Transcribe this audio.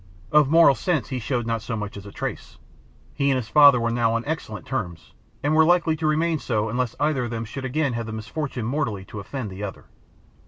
Of moral sense he showed not so much as a trace. He and his father were now on excellent terms, and were likely to remain so unless either of them should again have the misfortune mortally to offend the other.